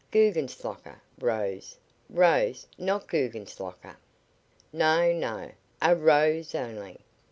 Guggenslocker, rose; rose, not Guggenslocker. No, no! A rose only!